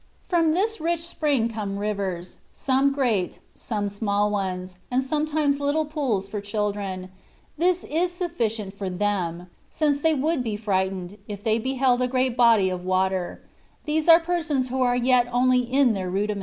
From this rich spring come rivers ; some great, some small ones, and sometimes little pools for children ; this is sufficient for them, since they would be frightened, if they beheld a great body of water ; these are persons who are yet only in their rudiments.